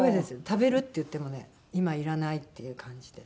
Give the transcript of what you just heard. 「食べる？」って言ってもね「今いらない」っていう感じで。